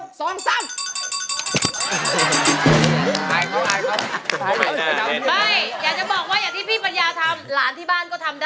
ดูว่าอย่างที่พี่ปัญญาทำหลานที่บ้านก็ทำได้